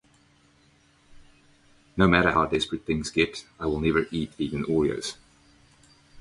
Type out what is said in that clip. No matter how desperate things get, I will never eat vegan Oreos.